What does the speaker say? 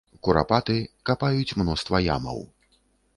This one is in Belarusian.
Курапаты, капаюць мноства ямаў.